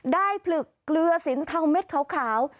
ผลึกเกลือสินเทาเม็ดขาว